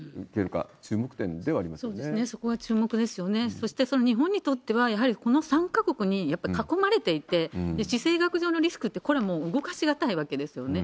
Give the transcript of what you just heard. そして日本にとっては、この３か国にやっぱり囲まれていて、地政学上のリスクって、これはもう動かし難いわけですよね。